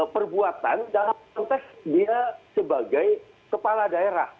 perbuatan dalam konteks dia sebagai kepala daerah